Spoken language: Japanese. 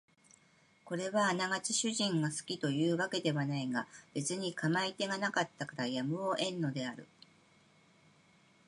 これはあながち主人が好きという訳ではないが別に構い手がなかったからやむを得んのである